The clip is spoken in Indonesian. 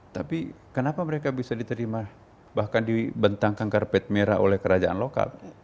tapi kenapa mereka bisa diterima bahkan dibentangkan karpet merah oleh kerajaan lokal